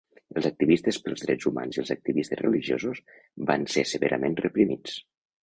Els activistes pels drets humans i els activistes religiosos van ser severament reprimits.